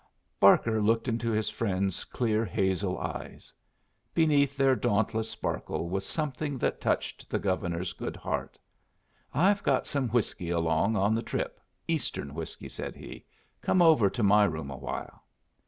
Barker looked into his friend's clear hazel eyes. Beneath their dauntless sparkle was something that touched the Governor's good heart. "I've got some whiskey along on the trip Eastern whiskey," said he. "Come over to my room awhile."